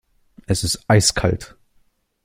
Es ist eiskalt.